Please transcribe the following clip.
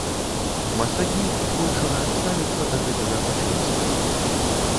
Мастакі, збольшага, ставіцца да гэтага па-філасофску.